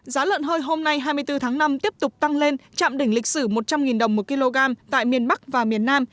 giá lợn hơi hôm nay hai mươi bốn tháng năm tiếp tục tăng lên chạm đỉnh lịch sử một trăm linh đồng một kg tại miền bắc và miền nam